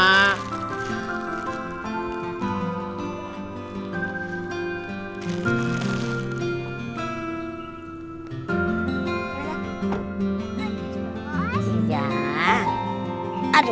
terima kasih bu bos